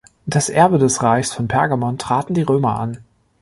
Das Erbe des Reichs von Pergamon traten die Römer an.